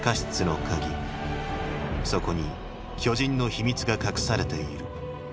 そこに巨人の秘密が隠されている。